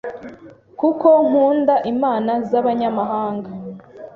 kuko nkunda imana z’abanyamahanga,